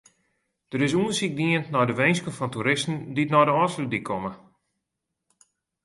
Der is ûndersyk dien nei de winsken fan toeristen dy't nei de Ofslútdyk komme.